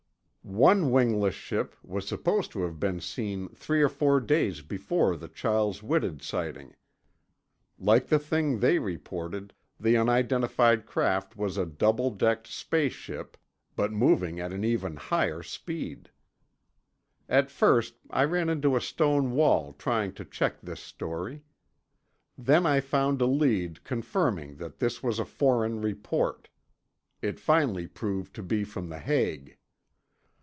One wingless ship was supposed to have been seen three or four days before the Chiles Whitted sighting; like the thing they reported, the unidentified craft was a double decked "space ship" but moving at even higher speed. At first I ran into a stone wall trying to check this story. Then I found a lead conforming that this was a foreign report. It finally proved to be from The Hague.